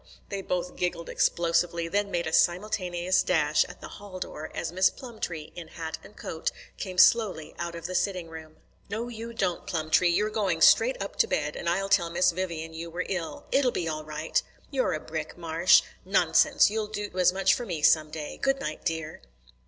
They both giggled explosively; then made a simultaneous dash at the hall door as Miss Plumtree, in hat and coat, came slowly out of the sitting room. "No, you don't, Plumtree! You're going straight up to bed, and I'll tell Miss Vivian you were ill. It'll be all right." "You are a brick, Marsh." "Nonsense! You'll do as much for me some day. Goodnight, dear."